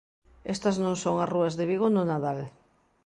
Estas non son as rúas de Vigo no Nadal.